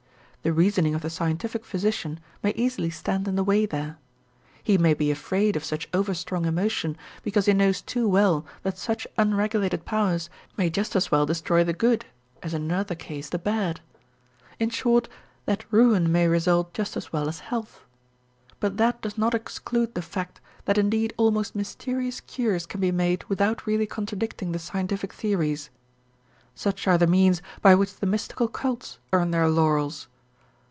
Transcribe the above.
The reasoning of the scientific physician may easily stand in the way there. He may be afraid of such overstrong emotion because he knows too well that such unregulated powers may just as well destroy the good as in another case the bad; in short, that ruin may result just as well as health. But that does not exclude the fact that indeed almost mysterious cures can be made without really contradicting the scientific theories. Such are the means by which the mystical cults earn their laurels.